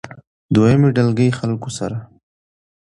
دويمه ډلګۍ خلکو سره